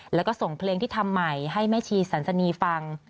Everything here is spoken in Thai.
แล้วก็ส่งเพลงที่ทำใหม่ให้แม่ชีสันสนีฟัง